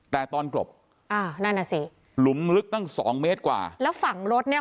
แต่ตอนกลบอ่านั่นน่ะสิหลุมลึกตั้งสองเมตรกว่าแล้วฝั่งรถเนี้ย